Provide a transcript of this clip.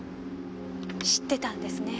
知ってたんですね。